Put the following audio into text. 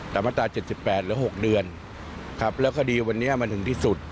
มาตรา๗๘หรือ๖เดือนครับแล้วคดีวันนี้มันถึงที่สุด